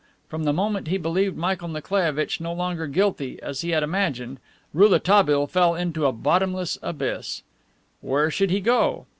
From the moment he believed Michael Nikolaievitch no longer guilty, as he had imagined, Rouletabille fell into a bottomless abyss. Where should he go?